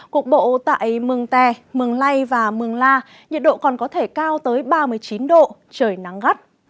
cục bộ tại mường tè mường lây và mường la nhiệt độ còn có thể cao tới ba mươi chín độ trời nắng gắt